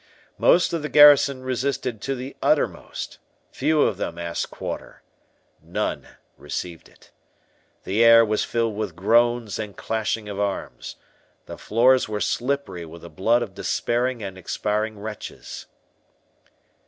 Most of the garrison resisted to the uttermost—few of them asked quarter—none received it. The air was filled with groans and clashing of arms—the floors were slippery with the blood of despairing and expiring wretches.